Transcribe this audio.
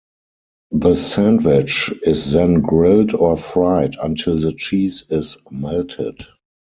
The sandwich is then grilled or fried until the cheese is melted.